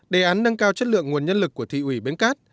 đề án nâng cao chất lượng nguồn nhân lực của thị ủy bến cát